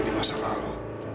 di masa lalu